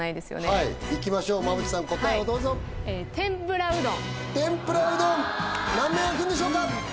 はいいきましょう馬淵さん答えをどうぞ天ぷらうどん何面あくんでしょうか？